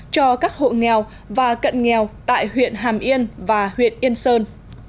cho các hộ nghèo và cận nghèo tại huyện hàm yên và huyện yên sơn